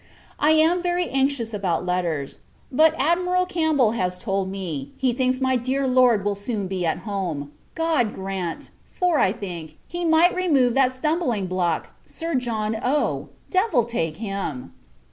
I am very anxious about letters; but Admiral Campbell has told me, he thinks my dear Lord will soon be at home. God grant! for, I think, he might remove that stumbling block, Sir John O! Devil take him!